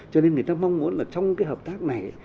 cho nên người ta mong muốn là trong cái hợp tác này